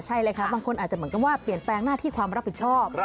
ใช่เลยค่ะบางคนอาจจะเหมือนกับว่าเปลี่ยนแปลงหน้าที่ความรับผิดชอบ